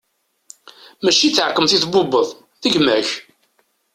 Mačči d taɛkemt i tbubbeḍ, d gma-k!